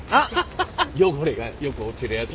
汚れがよく落ちるやつな。